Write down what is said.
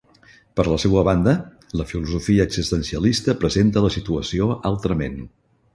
Per la seua banda, la filosofia existencialista presenta la situació altrament.